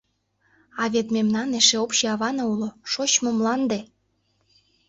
А вет мемнан эше общий авана уло — шочмо мланде!